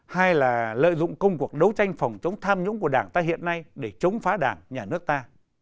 hai là lợi dụng công cuộc đấu tranh phòng chống tham nhũng của đảng ta hiện nay để chống phá đảng nhà nước ta